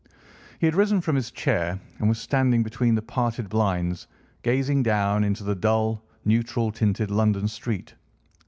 He had risen from his chair and was standing between the parted blinds gazing down into the dull neutral tinted London street.